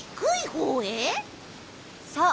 そう。